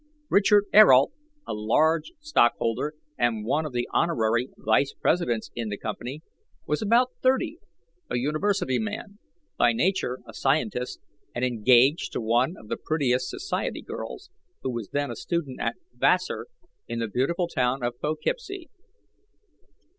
Richard Ayrault, a large stockholder and one of the honorary vice presidents in the company, was about thirty, a university man, by nature a scientist, and engaged to one of the prettiest society girls, who was then a student at Vassar, in the beautiful town of Poughkeepsie.